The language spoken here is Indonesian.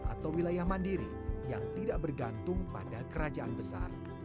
atau wilayah mandiri yang tidak bergantung pada kerajaan besar